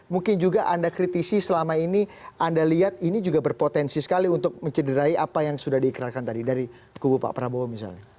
mungkin juga anda kritisi selama ini anda lihat ini juga berpotensi sekali untuk mencederai apa yang sudah diikrarkan tadi dari kubu pak prabowo misalnya